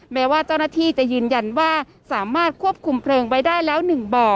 แม้ว่าเจ้าหน้าที่จะยืนยันว่าสามารถควบคุมเพลิงไว้ได้แล้ว๑บ่อ